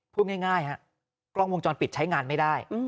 พูดง่ายฮะกล้องวงจรปิดใช้งานไม่ได้